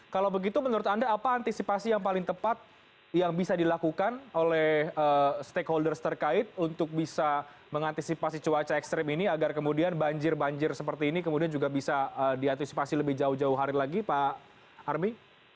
kalau begitu menurut anda apa antisipasi yang paling tepat yang bisa dilakukan oleh stakeholders terkait untuk bisa mengantisipasi cuaca ekstrim ini agar kemudian banjir banjir seperti ini kemudian juga bisa diantisipasi lebih jauh jauh hari lagi pak armi